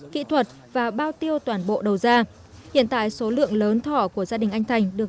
kỹ thuật và bao tiêu toàn bộ đầu ra hiện tại số lượng lớn thỏ của gia đình anh thành được